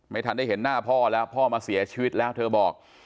ไม่ทันได้เห็นหน้าพ่อแล้วพ่อมาเสียชีวิตแล้วเธอบอก